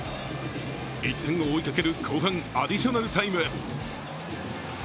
１点を追いかける後半アディショナルタイム。